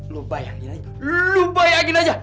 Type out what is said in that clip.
lu bayangin aja